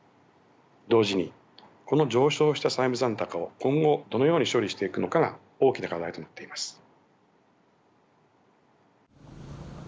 同時にこの上昇した債務残高を今後どのように処理していくのかが大きな課題となっています。